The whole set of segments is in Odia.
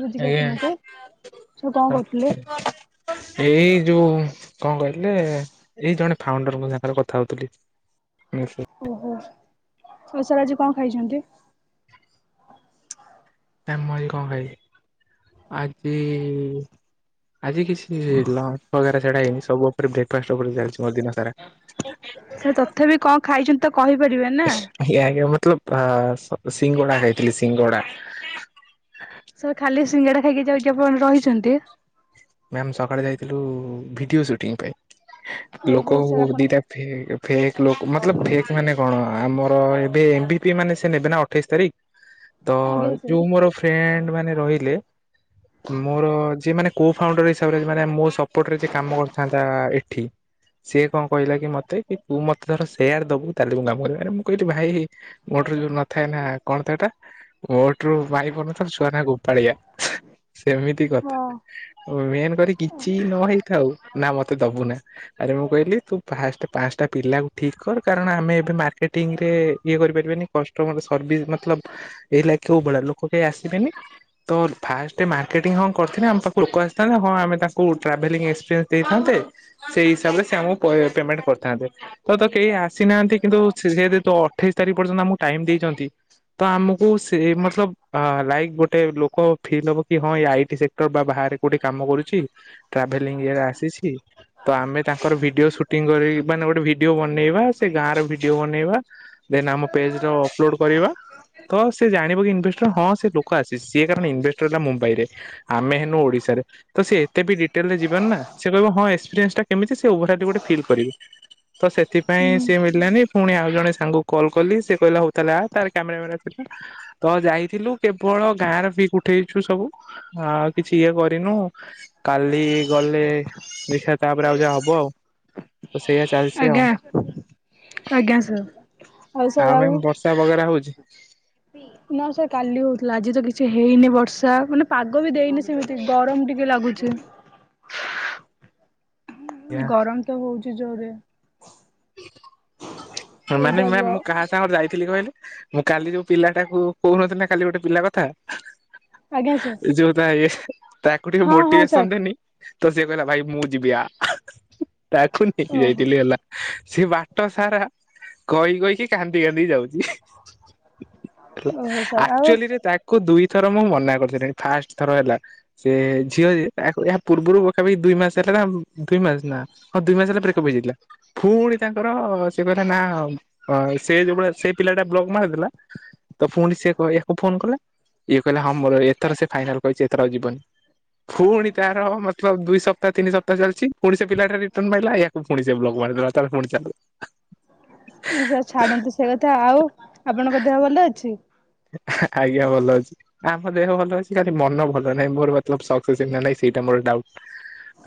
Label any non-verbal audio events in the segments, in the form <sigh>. ବୁଝିକି ଆପଣଙ୍କୁ ସାର୍ କଣ ଆଜ୍ଞା କରୁଥିଲେ? <inaudible> ସେଇ ଯୋଉ କଣ କହିଲେ ଏଇ ଜଣେ ଫାଉଣ୍ଡରଙ୍କ ସାଙ୍ଗରେ କଥା ହଉଥିଲି ନିୟ ସେ ଓହୋ ଓସାରେ ଆଜି କଣ ଖାଇଛନ୍ତି? କାମ ଏ କଣ ଖାଇବି ଆଜି ଆଜି କିଛି ଲଞ୍ଚ ବଗରା ଛଡା ହେଇନି ସବୁ ବ୍ରେକ୍ଫାଷ୍ଟ ଉପରେ ଚାଲିଛି ମୋ ଦିନ ସାରା। ତଥାବି କଣ ଖାଇଛନ୍ତି ତ କହିପାରିବେ ନା। ଆଜ୍ଞା ମତଲବ ଅ ସିଙ୍ଗଡା ଖାଇଥିଲି ସିଙ୍ଗଡା। ସାର୍ ଖାଲି ସିଙ୍ଗଡ଼ା ଖାଇକି ଯାଉଛି ଆପଣ ରହିଛନ୍ତି? ମ୍ୟାାମ ସକାଳେ ଯାଇଥିଲୁ ଭିଡିଓ ସୁଟିଂ ପାଇଁ ଓହୋ ଲୋକ ସାର୍ ଆପଣ ଦିଟା ଫେକ୍ ଫେକ୍ ଲୋକ ମାତଲବ ଫେକ୍ ମାନେ କଣ ଆମର ଏବେ ଏଭି ପି ମାନେ ସେ ନେବେ ନା ଅଠେଇଶି ତାରିଖ। ତ ଆଜ୍ଞା ସାର୍ ଯୋଉ ମୋର ଫ୍ରେଣ୍ଡ ମାନେ ରହିଲେ ମୋର ଯିଏ ମାନେ କୋ ଫାଉଣ୍ଡର ହିସାବରେ ମାନେ ମୋ ସପୋର୍ଟରେ ଯେ କାମ କରିଥାନ୍ତା ଏଠି। ସିଏ କଣ କହିଲା କି ମତେ କି ତୁ ମତେ ଧର ସେଆର ଦବୁ ତାହାଲେ ମୁଁ କାମ କରିବ ଆରେ ମୁଁ କହିଲି ଭାଇ ଗୋଟରେ ଯୋଉ ନଥାଏ ନା କଣ ଥାଏ ଏଟା ମୋଟୁ ମାଇପ ନଥାଉ ଛୁଆ ନା ଗୋପାଳିଆ ସେମିତି ହଁ କଥା। ମେନ୍ କରି କିଛି ନ ହେଇଥାଉ ନା ମତେ ଦବୁ ନା। ଆରେ ମୁଁ କହିଲି ତୁ ଫାଷ୍ଟ୍ ପାଞ୍ଚଟା ପିଲାକୁ ଠିକ୍ କର କାରଣ ଆମେ ଏବେ ମାର୍କେଟିଂ ରେ ଇଏ କରିପାରିବାନି। କଷ୍ଟମର ସର୍ଭିସ୍ ମତ ଲବ୍ ଏଈ ଲେ କେଉଁ ଭଳିଆ ଲୋକ କେହି ଆସିବେନି। ତ ଫାଷ୍ଟ ମାର୍କେଟିଂ ହଁ କରିଥିଲେ ଆମ ପାଖରେ ଲୋକ ଆସିଥାନ୍ତେ ହଁ ଆମେ ତାଙ୍କୁ ଟ୍ରାଭେଲିଂ ଏକ୍ସପିରିଏନ୍ସ ଦେଇଥାନ୍ତେ। ସେଇ ହିସାବରେ ସେ ଆମକୁ ପ ପେମେଣ୍ଟ କରିଥାନ୍ତେ - ତ ତ କେହି ଆସିନାହାନ୍ତି କିନ୍ତୁ ସେ ଦ ଅଠେଇଶି ତାରିଖ ପର୍ଯ୍ୟନ୍ତ ଆମକୁ ଟାଇମ ଦେଇଚନ୍ତି - ତ ଆମକୁ ସେ ମତଲବ୍ ଲାଇକ୍ ଗୋଟେ ଲୋକ ଫିଲ୍ ହବ କି ହଁ ଆଇ ସେକ୍ଟର ବା ବାହାରେ କୋଉଠି କାମ କରୁଚି, ଟ୍ରାଭେଂଲିଙ୍ଗ୍ ଇଏରେ ଆସିଛି - ତ ଆମେ ତାଙ୍କର ଭିଡିଓ ସୁଟିଂ କରି ମାନେ ଗୋଟେ ଭିଡିଓ ବନେଇବା ସେ ଗାଁ ର ଭିଡିଓ ବନେଇବା ଦେନ୍ ଆମ ପେଜର ଅପଲୋଡ୍ କରିବା ତ ସେ ଜାଣିବ କି ଇନଭେଷ୍ଟର ହଁ ସେ ଲୋକ ଆସି ସିଏ କାରଣ ଇନଭେଷ୍ଟର ହେଲା ମୁମ୍ବାଇରେ ଆମେ ହେନୁ ଓଡିଶା ତ ସେ ଏତେ ବି ଡିଟେଲରେ ଯିବ ନା ସେ କହିବ ହଁ ଏସ୍ପପିରେନ୍ସ ଟା କେମତି ସେ ଓଭରାଲୀ ଗୋଟେ ଫିଲ କରିବ ତ ସେଥିପାଇଁ ହୁଁ। ସିଏ ମିଳିଲାନି ପୁଣି ଆଉ ଜଣେ ସାଙ୍ଗକୁ କଲ୍ କଲି ସେ କହିଲା ହଉ ତାହାଲେ ଆ ତା ରେ କ୍ୟାମେରା ବାଲା ଥିଲା ତ ଯାଇଥିଲୁ କେବଳ ଗାଁରେ ବି ଉଠେଇଚୁ ସବୁ ଆ କିଛି ଇଏ କରି ନୁ କାଲି ଗଲେ ଦେଖିବା ତାପରେ ଆଉ ଯାହା ହବ ଆଉ ତ ସେଇଆ ଚାଲିଚି ଆଉ ଆଜ୍ଞା ଆଜ୍ଞା ସାର। ଆଉ ମେମ୍ ବର୍ଷା ବଗେରା ହଉଚି ନା ସେ କାଲି ହଉଥିଲା ଆଜି ତ କିଛି ହେଇନି ବର୍ଷା ମାନେ ପାଗ ବି ଦେଇନି ସେ ସେମିତି ଗରମ ଟିକେ ଲାଗୁଛି ଗରମ ତ ହଉଚି ଜୋରରେ ଏଇ ମାନେ ଟାଇପ୍ ର ମ୍ୟାମ ମୁଁ କାହା ତାଙ୍କର ଯାଇଥିଲି କହିଲେ ମୁଁ କାଲି ଯୋଉ ପିଲାଟାକୁ କହୁନଥିଲି ନା କାଲି ଗୋଟେ ପିଲା କଥା ଆଜ୍ଞା ସାର୍ ଯୋଉ ତା ଇଏ ତାକୁ ଟିକେ ହଁ ହଁ ସାର୍ ମୋଟିଭେସନ ଦେନି ତ ସିଏ କହିଲା ଭାଇ ମୁଁ ଯିବି ଆ, ତାକୁ ନେଇକି ଓହୋ ଯାଇଥିଲି ହେଲା ସେ ବାଟ ସାରା କହି କହିକି କାନ୍ଦି କାନ୍ଦି ଯାଉଚି ଓହୋ ସାର୍ ଆଉ ଆଚୁଆଲିରେ ତାକୁ ଦୁଇ ଥର ମୁଁ ମନା କରିସାରିଲିଣି, ଫାଷ୍ଟ ଥର ହେଲା ସେ ଝିଅ ଏହା ପୂର୍ବରୁ ପାଖପାଖି ଦୁଇ ମାସ ହେଲା ନା ଦୁଇ ମାସ ନା ହଁ ଦୁଇ ମାସ ହେଲା ବ୍ରେକପ ହେଇା ଯାଇଥିଲା ପୁଣି ତାଙ୍କର ସେ କହିଲା ନା ସେ ଯୋଉ ଭଳିଆ ସେ ପିଲାଟା ବ୍ଲକ ମାରିଦେଲା ତ ପୁଣି ସେ କ ୟାକୁ ଫୋନ କଲା ଇଏ କହିଲା ହଁ ମୋର ଏଥର ସେ ଫାଇନାଲ କହିଚି ଏଥର ଆଉ ଯିବନି ପୁଣି ତାର ମତଲବ ଦୁଇ ସପ୍ତାହ ତିନି ସପ୍ତାହ ଚାଲିଚି ପୁଣି ସେ ପିଲାଟା ରିଟର୍ଣ ମାଇଲା ୟାକୁ ପୁଣି <unintelligible> ଓ ସେ ଛାଡନ୍ତୁ ସେ କଥା ଆଉ ଆପଣଙ୍କ ଦେହ ଭଲ ଅଛି? ଆଜ୍ଞା ଭଲ ଅଚି। ଆମ ଦେହ ଭଲ ଅଚି ଖାଲି ମନ ଭଲ ନାହିଁ ମୋର ମତଲବ ସକ୍ସେ ହିଁ ନା ନାହିଁ ସେଇଟା ମୋର ଡାଉଟ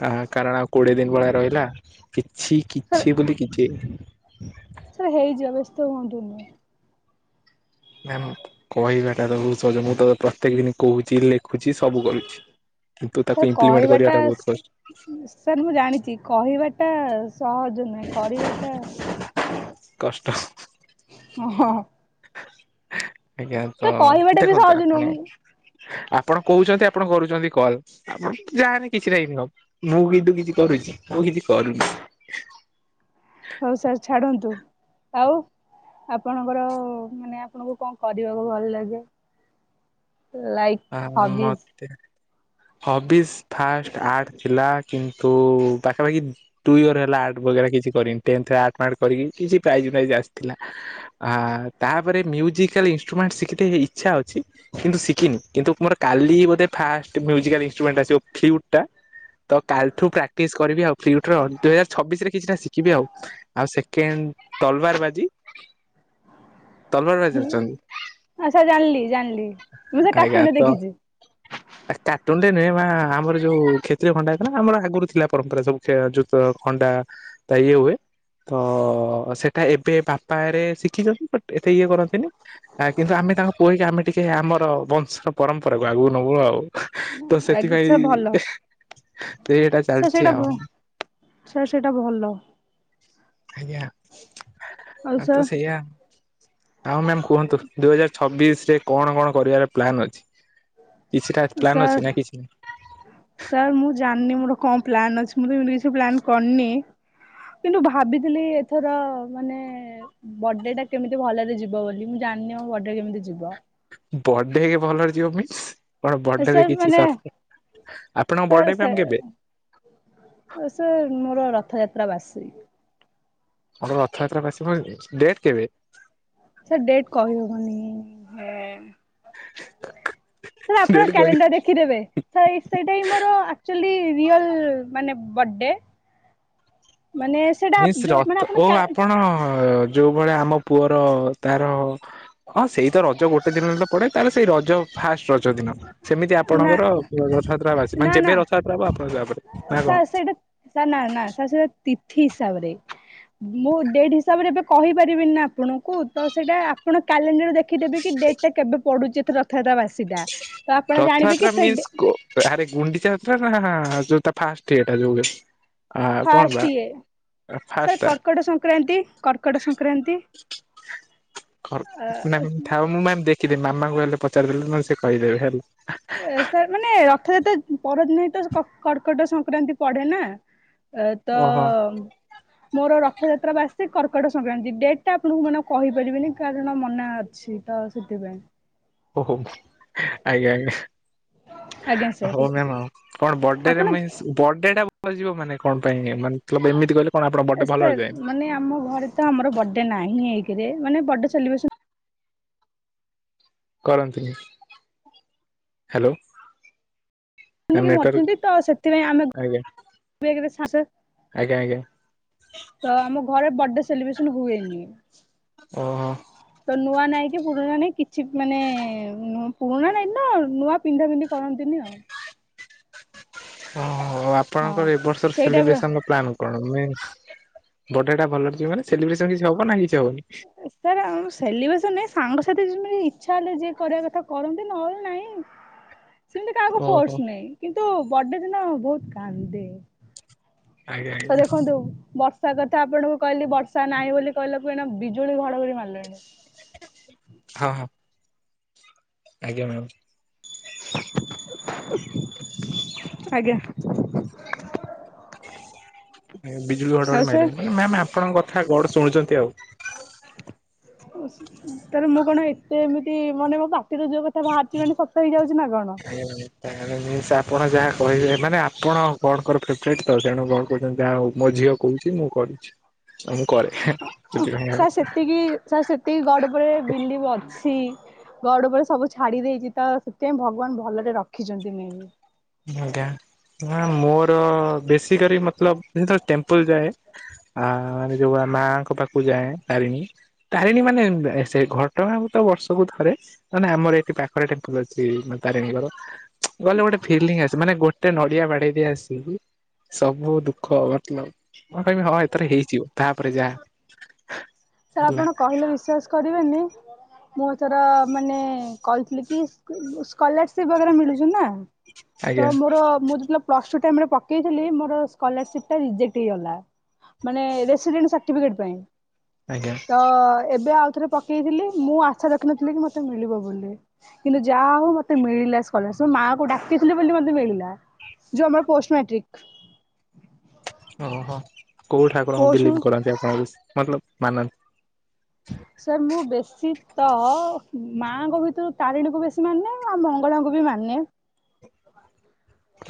ଆ କାରଣ ଆଉ କୋଡିଏ ଦିନ ଭଳିଆ ରହିଲା କିଛି ସାର୍ କିଛି ବୋଲି କିଛି ହେଇନି। ସାର୍ ହେଇଯିବ ବ୍ୟସ୍ତ ହୁଅନ୍ତୁନି ନା ମ କହିବାଟା ତ ବହୁତ ସହଜ ମୁଁ ତ ପ୍ରତ୍ୟେକ ଦିନି କହୁଛି ଲେ ଲେଖୁଛି ସବୁ କରୁଛି କିନ୍ତୁ ସାର୍ ତାକୁ ଇମ୍ପ୍ଲିମେଣ୍ଟ କହିବାଟା କରିବାଟା ବହୁତ କଷ୍ଟ ସାର୍ ମୁଁ ଜାଣିଚି କହିବାଟା ସହଜ ନୁହେଁ କରିବାଟା କଷ୍ଟ ଅ ହଁ ଆଜ୍ଞା ତ ସାର୍ କହିବାଟା ବି ଦେଖନ୍ତୁ ସହଜ ଆପଣ ନୁହଁ ଆପଣ କହୁଚନ୍ତି ଆପଣ କରୁଚନ୍ତି କଲ୍ ଆପଣ ଯାହାନି କିଛିଟ ଇନମ୍ ମୁଁ କିନ୍ତୁ କିଛି କରୁଚି ମୁଁ କିଚି କରୁନି ହଉ ସାର୍ ଛାଡ଼ନ୍ତୁ ଆଉ ଆପଣଙ୍କର ମାନେ ଆପଣଙ୍କୁ କଣ କରିବାକୁ ଭଲ ଲାଗେ ଲାଇକ୍ ହଁ ହବିଜ୍ ମତେ ହବିଜ ଫାଷ୍ଟ ଆର୍ଟ ଥିଲା। କିନ୍ତୁ ପାଖାପାଖି ଟୁ ଇୟର ହେଲା ଆର୍ଟ ବଗେରା କିଛି କରିନି। <unintelligible> ପ୍ରାଇଜ୍ ଫାଇଜ୍ ଆସିଥିଲା। ଆ ତାପରେ ମ୍ୟୁଜିକାଲ ଇନଷ୍ଟ୍ରୁମେଣ୍ଟ ଶିଖିତେ ଇଚ୍ଛା ଅଛି, କିନ୍ତୁ ଶିଖିନି। କିନ୍ତୁ ମୋର କାଲି ବୋଧେ ଫାଷ୍ଟ ମ୍ୟୁଜିକାଲ ଇନଷ୍ଟ୍ରୁମେଣ୍ଟ ଆସିବ, ଫ୍ଲିଉଟ୍ ଟା। ତ କାଲିଠୁ ପ୍ରାକ୍ଟିସ କରିବି ଆଉ ଫ୍ଲିଉଟର। ଦୁଇ ହଜାର ଛବିଶରେ କିଛିଟା ଶିଖିବି ଆଉ। ଆଉ ସେକେଣ୍ଡ ତଲବାର ବାଜି। ତଲବାର ବାଜି ଅଛନ୍ତି। ଆଚ୍ଛା ଜାଣିଲି -ଜାଣିଲି। ମୁଁ ସେ ଆଜ୍ଞା କାର୍ଟୁନରେ ତ ଦେଖିଛି। <inaudible> ଆ କାଟନ୍ତିନି, ମା ଆମର ଯୋଉ କ୍ଷେତ୍ରୀୟ ଖଣ୍ଡାୟତ ନା ଆମର ଆଗରୁ ଥିଲା ପରମ୍ପରା ସବୁ ଜୋତ, ଖଣ୍ଡା। ତ ଇଏ ହୁଏ। ତ ସେଟା ଏବେ ବାପାରେ ଶିଖିଛନ୍ତି ବଟ ଏତେ ଇଏ କରନ୍ତିନି। ଆ କିନ୍ତୁ ଆମେ ତାଙ୍କ ପୁଅ ହେଇକି ଆମେ ଟିକେ ଆମର ବଂଶର ପରମ୍ପରାକୁ ଆଗକୁ ନବୁ ଆଉ। ତ ସେଥିପାଇଁ ସେଇଟା ସାର ଚାଲିଛି ସେଇଟା ଆଉ ଭ, ସାର ସେଇଟା ଭଲ। ଆଜ୍ଞା ଆଉ ଆ ତ ସାର୍ ସେଇଆ। ଆଉ ମ୍ୟାମ କୁହନ୍ତୁ, ଦୁଇ ହଜାର ଛବିଶରେ କଣ କଣ କରିବାର ପ୍ଲାନ ଅଛି? କିଛିଟା ପ୍ଳାନ୍ ସାର୍ ଅଛି, ନା କିଛି ନାହିଁ? ସାର୍ ମୁଁ ଜାଣିନି ମୋର କଣ ପ୍ଲାନ୍ ଅଛି? ମୁଁ ତ ଏମିତି କିଛି ପ୍ଲାନ୍ କରିନି। କିନ୍ତୁ ଭାବିଥିଲି ଏଥର ମାନେ ବର୍ଡେଟା କେମିତି ଭଲରେ ଯିବ ବୋଲି? ମୁଁ ଜାଣିନି ବର୍ଡେ କେମିତି ଯିବ? ବର୍ଥଡେ ଭଲରେ ଯିବ ମିନ୍ସ? କଣ ବର୍ଡେ ରେ ସାର୍ କିଛି ମାନେ ସରପ୍ରାଇଜ, ଆପଣଙ୍କ ସାର୍ ବର୍ଥଡେ ପ୍ଲାନ କେବେ? ସେ ମୋର ରଥଯାତ୍ରା ବାସି। ଆଉ କଣ ରଥଯାତ୍ରା ବାସୀ କହିବୁ, ଡେଟ୍ କେବେ? ସେ ଡେଟ କହି ହଉନି ହେ କଙ୍କ ଅପା ଡେଟ୍ କହି କ୍ୟାଲେଣ୍ଡର ଦେଖ ଲେଖିଦେବେ? ସେଇ ସେଇଟା ହିଁ ମୋର ଆକଚୁଆଲି ରିଅଲ ମାନେ ବର୍ଡେ। <inaudible> ମିସ୍ ରଥ କ୍ୟା ଓହୋ ଆପଣ ଯୋଉ ଭଳିଆ ଆମ ପୁଅର ତାର ହଁ ସେଇ ତ ରଜ ଗୋଟେ ଦିନ ହି ତ ପଡେ। ତାହେଲେ ସେଇ ରଜ ଫାଷ୍ଟ ରଜ ଦିନ। ସେମିତି ନା ଆପଣଙ୍କର ରଥଯାତ୍ରା ବାସୀ। ନା ମାନେ ଯେବେ ରଥଯାତ୍ରା ହବ ଆପଣ <unintelligible> ନା କଣ? ସାର ସେଇଟା ସାର ନା ନା ସେଇଟା ତିଥି ହିସାବରେ। ମୁଁ ଡେଟ୍ ହିସାବରେ ଏବେ କହିପାରିବିନି ନା ଆପଣଙ୍କୁ ତ ସେଇଟା ଆପଣ କ୍ୟାଲେଣ୍ଡର ଦେଖ ରଖିଦେବି କି ଡେଟ୍ ଟା କେବେ ପଡୁଚି ଏଥର ରଥଯାତ୍ରା ବାସୀଟା। ତ ଆପଣ ଜାଣିବେ ରଥଯାତ୍ରା କି ସେ ମିନ୍ସ ଡେ କୋ ଆରେ ଗୁଣ୍ଡିଚାଯାତ୍ରା ନା ଯୋଉ ତା ଫାଷ୍ଟ ଇଏଟା ଯୋଉ ଆ କଣ ବା ଫାଷ୍ଟ ଇଏ। ସାର୍ ଫାଷ୍ଟ ଟା? କର୍କଟ ସଂକ୍ରାନ୍ତି -କର୍କଟ ସଂକ୍ରାନ୍ତି। ଖର, ନାଇଁ ଥାଉ ମୁଁ ମ୍ୟାମ ଦେଖିଦେବି। ମାମାଙ୍କୁ ଗଲେ ପଚାରିଦେଲେ ନହେଲେ ସେ କହିଦେବେ ହେଲା। ଏ ସାର୍ ମାନେ ରଥଯାତ୍ରା ପରଦିନ ହି ତ କର୍କଟ ସଂକ୍ରାନ୍ତି ପଡେ ନା। ଅ ତ ଓହୋ ମୋର ରଥଯାତ୍ରା ବାସି କର୍କଟ ସଂକ୍ରାନ୍ତି। ଡେଟ୍ ଟା ଆପଣଙ୍କୁ ମୁଁ ଏଇନା କହିପାରିବିନି କାରଣ ମନା ଅଛି। ତାଉ ସେଥିପାଇଁ। ଓହୋ, ଆଜ୍ଞା -ଆଜ୍ଞା। ଆଜ୍ଞା ସାର୍ ହଉ ମ୍ୟାମ୍ କଣ ବର୍ଡେରେ ଆପଣ <unintelligible> ବର୍ଡେ ଟା ବଳିଯିବ ମାନେ କଣ ପାଇଁ ମାନେ ଏମିତି କହିଲ? ଏ ସାର୍ ମାନେ ଆମ ଘରେ ତ ଆମର ବର୍ଡେ ନାହିଁ ଏକରେ ମାନେ ବର୍ଡେ ସେଲିବ୍ରେସନ କରନ୍ତିନି ହ୍ୟାଲୋ। ମ୍ୟାମ୍ ନେଟୱାର୍କ ମରିଛନ୍ତି ତ ସେଥିପାଇଁ ଆମେ ଆଜ୍ଞା <unintelligible> ଆଜ୍ଞା ଆଜ୍ଞା ତ ଆମ ଘରେ ବର୍ଡେ ସେଲିବ୍ରେସନ ହୁଏନି। ଓହୋ। ତ ନୂଆ ନାଇଁ କି ପୁରୁଣା ନାଇଁ କିଛି ମାନେ ପୁରୁଣା ନାଇଁ ନା ନୂଆ ପିନ୍ଧା ପିନ୍ଧି କରନ୍ତିନି ଆଉ। ଓହୋ ହଁ ଆପଣଙ୍କର ଏର୍ଷର ସେଇ ଟାଇପ ର ସେଲିବ୍ରେସନ ପ୍ଲାନ୍ କଣ ମିନ୍ସ ବଡେ ଟା ଭଲରେ ଯିବ ମାନେ ସେଲିବ୍ରେସନ କିଛି ହବ ନା କିଛି ହବନି? ସାର୍ ଆ ସେଲିବ୍ରେସନ ନାହିଁ ସାଙ୍ଗସାଥି ଯେମିତି ଇଚ୍ଛା ହେଲେ ଯିଏ କରିବା କଥା କରନ୍ତି ନହେଲେ ନାଇଁ। ସେମିତି କାହାକୁ ଓହୋ ଫୋର୍ସ ନାହିଁ କିନ୍ତୁ ବଡେ ଦିନ ବହୁତ କାନ୍ଦେ। ଆଜ୍ଞା ଆଜ୍ଞା ସାର ଦେଖନ୍ତୁ ବର୍ ସାର କଥା ଆପଣଙ୍କୁ କହିଲି ବର୍ଷା ନାହିଁ ବୋଲି କହିଲାକୁ ଏଣେ ବିଜୁଳି ଘଡଘଡି ମାରିଲାଣି। ହଁ ହଁ। ଆଜ୍ଞା ମ୍ୟାମ୍। <inaudible> ଆଜ୍ଞା। <unintelligible> ବିଜୁଳି ଆଉ ଘଡଘଡି ସେ ମାରିଲାଇ। ମ୍ୟାମ ଆପଣଙ୍କ କଥା ଗଡ ଶୁଣୁଛନ୍ତି ଆଉ। <unintelligible> ତାର ମୁଁ କଣ ଏତେ ଏମିତି ମାନେ ମୋ ପାଟିର ଯୋଉ କଥା ବାହାରିଛି ମାନେ ସତ ହେଇଯାଉଛି ନା କଣ? ନ ତା ଜିନିଷ ଆପଣ ଯାହା କହିବେ ମାନେ ଆପଣ ଗଡଙ୍କର ଫ୍ରେବରେଟ ତ ସେଣୁ ଗଡ କହୁଛନ୍ତି ଯାହା ହଉ ମୋ ଝିଅ କହୁଛି ମୁଁ କରୁଛି ଆଉ ମୁଁ କରେ ହେଁ ସାର୍ <unintelligible> ସେତିକି ସାର୍ ସେତିକି ଗଡ଼ ଉପରେ ବିଲିଭ୍ ଅଛି। ଗଡ ଉପରେ ସବୁ ଛାଡି ଦେଇଛି ତ ସେଥିପାଇଁ ଭଗବାନ ଭଲରେ ରଖିଛନ୍ତି ମେବି। ଆଜ୍ଞା ନା ମୋର ବେଶୀ କରି ମତଲବ ଯେତେବେଳେ ଟେମ୍ପଲ ଯାଏ। ଆ ମାନେ ଯୋଉ ମାଙ୍କ ପାଖକୁ ଯାଏ ତାରିଣୀ। ତାରିଣୀ ମାନେ ସେ ଘଟଗାଁ ମୁଁ ତ ବର୍ଷକୁ ଥରେ। ମାନେ ଆମର ଏଇଠି ପାଖରେ ଟେମ୍ପଲ ଅଛି ମାନେ ତାରେଣୀଙ୍କର। ଗଲେ ଗୋଟେ ଫିଲିଙ୍ଗ ଆସେ ମାନେ ଗୋଟେ ନଡିଆ ବାଡେଇ ଦେଇି ଆସିବି ସବୁ ଦୁଃଖ ମତଲବ ମୁ କହିବି ହଁ ଏଥର ହେଇଯିବ ତାପରେ ଯା, <inaudible> ସାର୍ ଆପଣ କହିଲେ ବିଶ୍ଵାସ କରିବେନି ମୁଁଥର ମାନେ କହିଥିଲି କି ସ୍କ ସ୍କଲାରସିପ ବଗେରା ମିଳୁଛି ନା। ଆଜ୍ଞା ତ ମୋର ମୁଁ ଯେତେବେ- ପ୍ଲସଟୁ ଟାଇମ ରେ ପକେଇଥିଲି ମୋର ସ୍କଲରସିପ୍ ଟା ରଜେକ୍ଟ ହେଇଗଲା। ମାନେ ରେସିଡେଣ୍ଟ ସାର୍ଟିଫିକେଟ ପାଇଁ। ଆଜ୍ଞା। ଅ ଏବେ ଆଉ ଥରେ ପକେଇଥିଲି, ମୁଁ ଆଶା ରଖିିନଥିଲି କି ମତେ ମିଳିବ ବୋଲି। କିନ୍ତୁ ଯାହା ହଉ ମତେ ମିଳିଲା ସ୍କଲାରସିପ, ମୁଁ ମାଆକୁ ଡାକିଥିଲେ ବୋଲି ମତେ ମିଳିଲା। ଜୋମା ପୋଷ୍ଟ ମେଟ୍ରିକ। ଓହୋ କୋଉ ଠାକୁରଙ୍କୁ ପୋଷ୍ଟ ବିଲିଭ କରନ୍ତି ଆପଣ ବେଶୀ ମତଲବ ମାନନ୍ତି? ସାର୍ ମୁଁ ବେଶୀ ତ ମାଆଙ୍କ ଭିତରୁ ତାରିଣୀକୁ ବେଶୀ ମାନେ, ଆଉ ମଙ୍ଗଳାଙ୍କୁ ବି ମାନେ।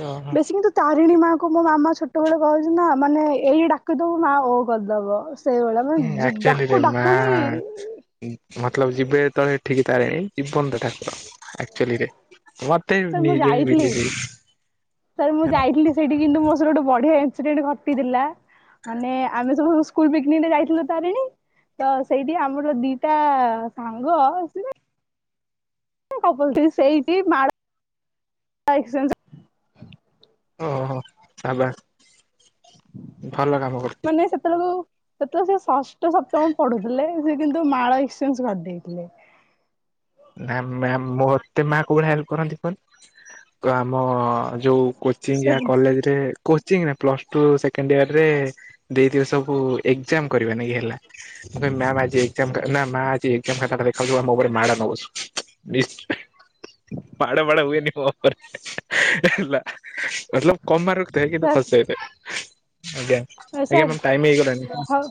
ଓହୋ। ବେଶୀ କିନ୍ତୁ- ତାରିଣୀ ମାଙ୍କୁୁ ମୋ ମାମା ଛୋଟବେଳେ କହିଛି ନା ମାନେ ଏଇ ଡାକିଦବୁ ମା ଓ କରିଦବ। ସେଇଭଳିଆ ହୁଁ ମାନେ ଆକ୍ଚୁଆଲିରେ ଡାକୁ ମା ଡାକୁ ହିଁ ମତଲବ ଯିବେ ଯେତେବେଳେ ଏଠିକ ତାରିଣୀ ଜୀବନ୍ତ ଠାକୁର ଆକ୍ଚୁଆଲିରେ <unintelligible> ସାର୍ ମୁଁ ନିଜେ ବି ଯାଇଥିଲି, ବିଲିଭ୍ ହେଇନି ସାର୍ ମୁଁ ଯାଇଥିଲି। ସେଇଠି କିନ୍ତୁ ମୋ ସରେ ଗୋଟେ ବଢିଆ ଇନସିଡେଣ୍ଟ ଘଟିଥିଲା। ମାନେ ଆମେ ସବୁ ସ୍କୁଲ ପିକନିକରେ ଯାଇଥିଲୁ ତାରିଣୀ। ତ ସେଇଠି ଆମର ଦିଟା ସାଙ୍ଗ ଆସିଲେ <inaudible> ସେଇଠି ମା <inaudible> ଓହୋ <unintelligible> ଭଲର ମାନେ ସେତେବେଳକୁ ସେତେବେଳେ ସେ ଷଷ୍ଠ, ସପ୍ତମ, ପଢୁଥିଲେ। ସେ କିନ୍ତୁ ମାଳ ଏକ୍ସଚେଞ୍ଜ କରିଦେଇଥିଲେ। ନା ମ୍ୟାମ ମୋତେ ମା କୋଉଭଳିଆ ହେଲ୍ପ କରନ୍ତି କଅନି ତ ଆମ ଯୋଉ କୋଚିଂ ୟା କଲେଜରେ କୋଚିଂ ନାହିଁ ପ୍ଲସଟୁ ସେକେଣ୍ଡ ଇୟରରେ ଦେଇଥିବେ ସବୁ ଏକ୍ଜାମ କରିବେ ନାଗି ହେଲା। ମୁଁ କଇଁମୀ ମାମ ଆଜି ଏକ୍ଜାମ ମା ଆଜି ଏକ୍ଜାମ ଖାତା ଦେଖାଉଛୁ ମୋ ଉପରେ ମାଡ଼ ନ ବସୁ। ନିଶ୍ଚ <inaudible> ମାଡ ବାଡ ହୁଏନି ମୋ ଉପରେ ହେଲା, ମତଲବ କମ ମାର ରଖିଥାଏ କିନ୍ତୁ ସାର୍ ଖସିଯାଇଥାଏ ଆଜ୍ଞା, ସାର୍ ଆଜ୍ଞା ମ୍ୟାମ ଟାଇମ ହେଇଗଲାଣି। ହଉ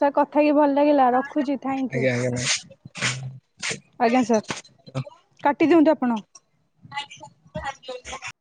ସାର୍ କଥା ହେଇକିି ଭଲ ଲାଗିଲା ରଖୁଛି ଥ୍ୟାଙ୍କୟୁ। ଆଜ୍ଞା ଆଜ୍ଞା ମ୍ୟାମ୍। ଆଜ୍ଞା ସାର୍ କାଟିଦିଅନ୍ତୁ ଆପଣ। <inaudible>